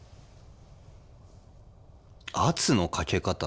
圧のかけ方。